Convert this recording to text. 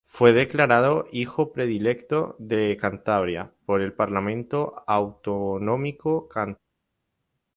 Fue declarado "Hijo Predilecto de Cantabria" por el parlamento autonómico cántabro.